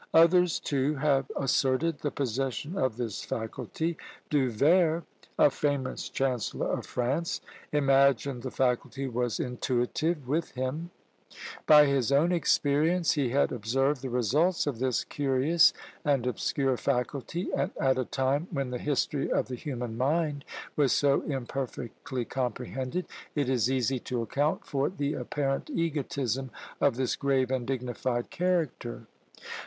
Others, too, have asserted the possession of this faculty. Du Vair, a famous chancellor of France, imagined the faculty was intuitive with him: by his own experience he had observed the results of this curious and obscure faculty, and at a time when the history of the human mind was so imperfectly comprehended, it is easy to account for the apparent egotism of this grave and dignified character.